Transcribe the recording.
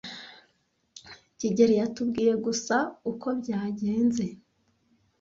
kigeli yatubwiye gusa uko byagenze.